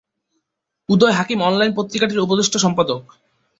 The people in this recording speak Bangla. উদয় হাকিম অনলাইন পত্রিকাটির উপদেষ্টা সম্পাদক।